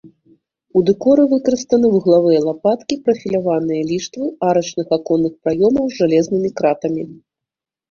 У дэкоры выкарыстаны вуглавыя лапаткі, прафіляваныя ліштвы арачных аконных праёмаў з жалезнымі кратамі.